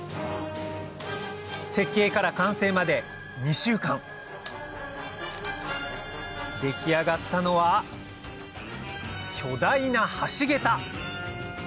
設計から完成まで２週間出来上がったのは巨大な橋桁